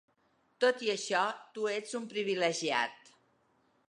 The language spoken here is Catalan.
Tot i això tu ets un privilegiat.